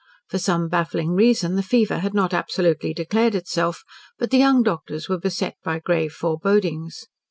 For some baffling reason the fever had not absolutely declared itself, but the young doctors were beset by grave forebodings.